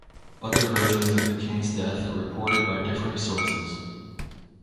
Other versions of the king's death are reported by differing sources.